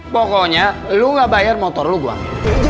pokoknya lu gak bayar motor lo gue